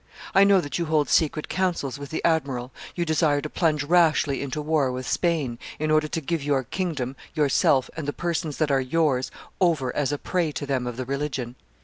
I know that you hold secret counsels with the admiral; you desire to plunge rashly into war with Spain, in order to give your kingdom, yourself, and the persons that are yours, over as a prey to them of the religion.